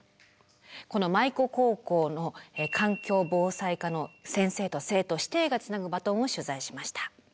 この舞子高校の環境防災科の先生と生徒師弟がつなぐバトンを取材しました。